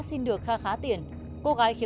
sao anh nói thế